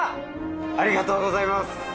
ありがとうございます。